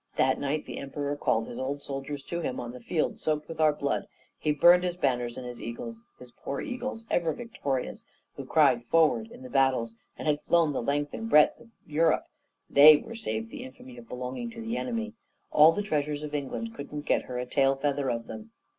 That night the Emperor called his old soldiers to him; on the field soaked with our blood he burned his banners and his eagles his poor eagles, ever victorious, who cried 'Forward' in the battles, and had flown the length and breadth of Europe, they were saved the infamy of belonging to the enemy: all the treasures of England couldn't get her a tail feather of them.